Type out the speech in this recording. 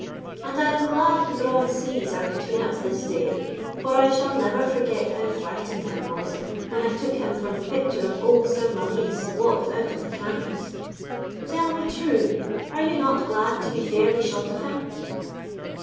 And I am glad the broad seas are between us this day, for I shall never forget how frightened I was when I took him for the picture of old Sir Malise walked out of the canvas. Tell me true, are you not glad to be fairly shot of him?"